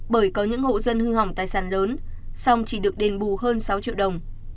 bởi có những hộ dân hư hỏng tài sản lớn xong chỉ được đền bù hơn sáu triệu đồng